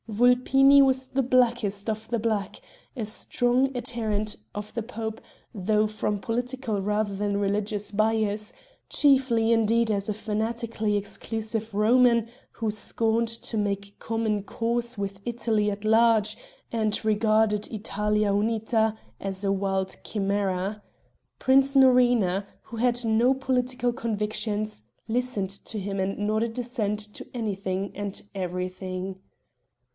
Vulpini was the blackest of the Black, a strong adherent of the pope, though from political rather than religious bias chiefly indeed as a fanatically exclusive Roman, who scorned to make common cause with Italy at large, and regarded "Italia unita" as a wild chimera. Prince Norina, who had no political convictions, listened to him and nodded assent to anything and everything.